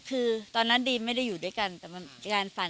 คือตอนนั้นดีมไม่ได้อยู่ด้วยกันแต่มันการฝัน